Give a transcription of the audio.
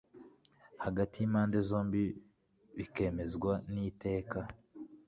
hagati y impande zombi bikemezwa n iteka